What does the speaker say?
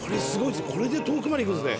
これで遠くまで行くんですね。